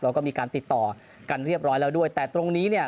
แล้วก็มีการติดต่อกันเรียบร้อยแล้วด้วยแต่ตรงนี้เนี่ย